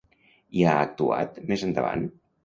Hi ha actuat, més endavant?